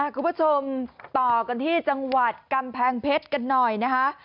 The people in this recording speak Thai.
คุณผู้ชมต่อกันที่จังหวัดกำแพงเพชรกันหน่อยนะคะ